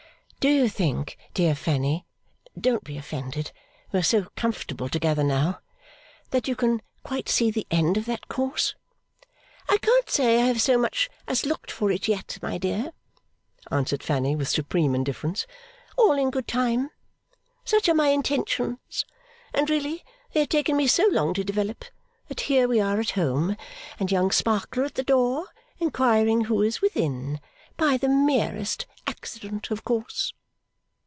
'Do you think dear Fanny, don't be offended, we are so comfortable together now that you can quite see the end of that course?' 'I can't say I have so much as looked for it yet, my dear,' answered Fanny, with supreme indifference; 'all in good time. Such are my intentions. And really they have taken me so long to develop, that here we are at home. And Young Sparkler at the door, inquiring who is within. By the merest accident, of course!